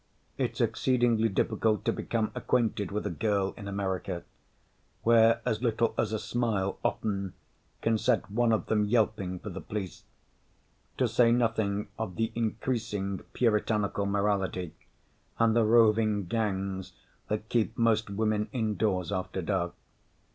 It's exceedingly difficult to become acquainted with a girl in America, where as little as a smile, often, can set one of them yelping for the police to say nothing of the increasing puritanical morality and the roving gangs that keep most women indoors after dark.